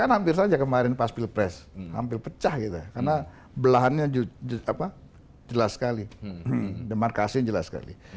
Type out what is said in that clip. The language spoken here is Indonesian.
karena hampir saja kemarin pas pilpres hampir pecah kita karena belahannya jelas sekali demarkasinya jelas sekali